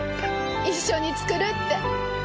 一緒に作るって。